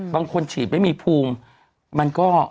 บางคนชีบไม่มีภูมิ